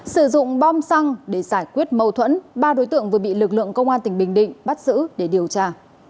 sử dụng bom xăng để giải quyết mâu thuẫn ba đối tượng vừa bị lực lượng công an tỉnh bình định bắt giữ để điều tra